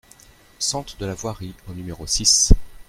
Sente de la Voirie au numéro six